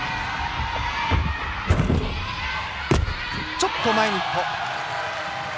ちょっと前に１歩。